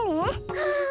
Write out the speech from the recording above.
はあ。